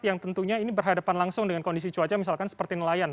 yang tentunya ini berhadapan langsung dengan kondisi cuaca misalkan seperti nelayan